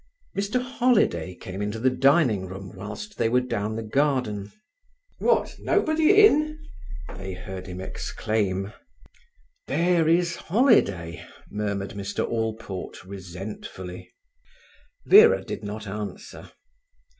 Mr Holiday came into the dining room whilst they were down the garden. "What, nobody in!" they heard him exclaim. "There is Holiday," murmured Mr Allport resentfully. Vera did not answer.